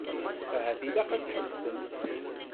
Ahat ilaq ad tḥebsemt.